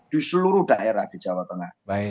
di seluruh daerah di jawa tengah